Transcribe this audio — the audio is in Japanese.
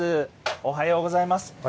おはようございます。